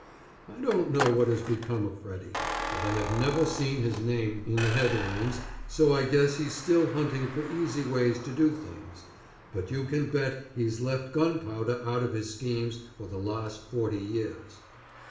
I don't know what has become of Freddy, but I have never seen his name in the headlines, so I guess he's still hunting for easy ways to do things, but you can bet he's left gunpowder out of his schemes for the last forty years.